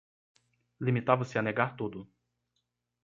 Limitava-se a negar tudo.